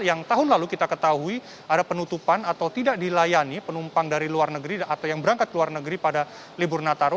yang tahun lalu kita ketahui ada penutupan atau tidak dilayani penumpang dari luar negeri atau yang berangkat ke luar negeri pada libur nataru